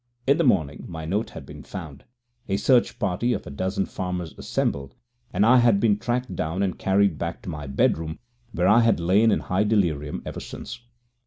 In the morning my note had been found, a search party of a dozen farmers assembled, and I had been tracked down and carried back to my bedroom, where I had lain in high delirium ever since.